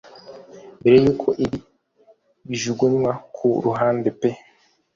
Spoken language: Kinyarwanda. Mbere yuko ibi bijugunywa ku ruhande pe